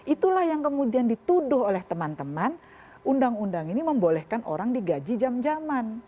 itulah yang kemudian dituduh oleh teman teman undang undang ini membolehkan orang digaji jam jaman